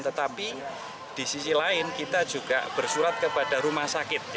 tetapi di sisi lain kita juga bersurat kepada rumah sakit